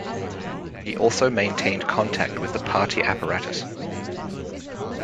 He also maintained contact with the party apparatus.